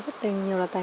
thư viện là một lơi khói